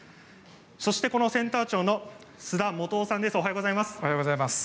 そして、このセンター長の須田元大さんです。